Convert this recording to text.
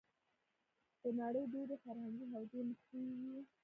د نړۍ ډېری فرهنګې حوزې مخ شوې وې.